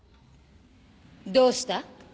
どうした？